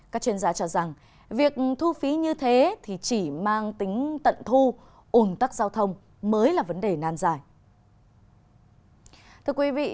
các chuyên gia cho rằng việc thu phí như thế thì chỉ mang tính tận thu ồn tắc giao thông mới là vấn đề nàn dài